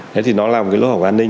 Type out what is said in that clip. thế thì nó là một cái lối hỏng an ninh